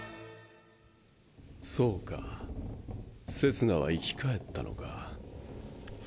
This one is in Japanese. そうかせつなは生き返ったのか。